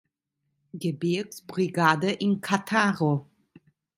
Gebirgs-Brigade in Cattaro.